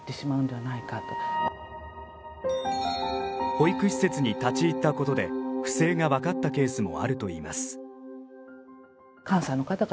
保育施設に立ち入ったことで不正がわかったケースもあるといいます。